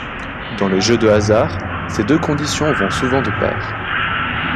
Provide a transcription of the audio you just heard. Dans les jeux de hasard, ces deux conditions vont souvent de pair.